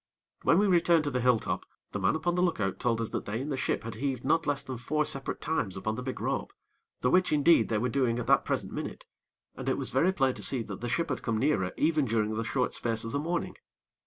When we returned to the hill top, the man upon the look out told us that they in the ship had heaved not less than four separate times upon the big rope, the which, indeed, they were doing at that present minute; and it was very plain to see that the ship had come nearer even during the short space of the morning.